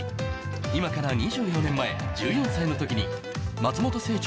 今から２４年前１４歳の時に松本清張